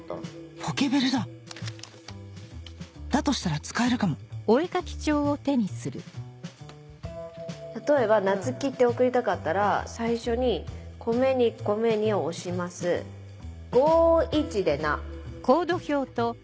ポケベルだだとしたら使えるかも例えば「ナツキ」って送りたかったら最初に「＊２＊２」を押します「５・１」で「ナ」